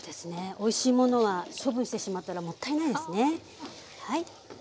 おいしいものは処分してしまったらもったいないですね。